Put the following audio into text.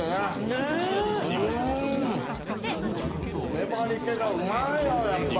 粘りけがうまいわやっぱ。